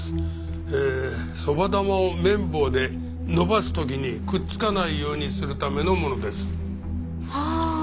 ええそば玉を麺棒で延ばす時にくっつかないようにするためのものです。はあ！